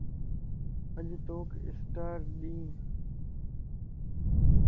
اچ توک اسٽار ڏين